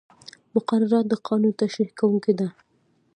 مقرره د قانون تشریح کوونکې ده.